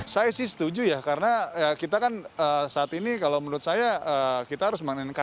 saya sih setuju ya karena kita kan saat ini kalau menurut saya kita harus mengink